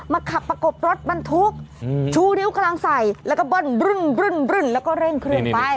มาขับประกอบรถมันทุกชู้นิ้วกลางสัยแล้วก็เบิ้ลแล้วก็เร่งเคลื่อนไป